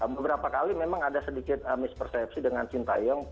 beberapa kali memang ada sedikit mispersepsi dengan shinta yang